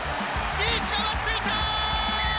リーチが待っていた。